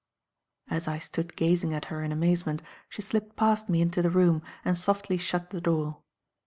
As I stood gazing at her in amazement, she slipped past me into the room and softly shut the door.